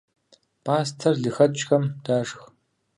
Пӏастэр лыхэкӏхэм дашх.